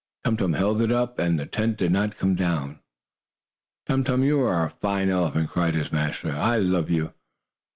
Tum Tum held it up, and the tent did not come down. "Tum Tum, you are a fine elephant!" cried his master. "I love you!"